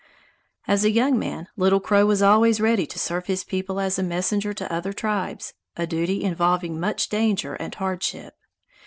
As a young man, Little Crow was always ready to serve his people as a messenger to other tribes, a duty involving much danger and hardship.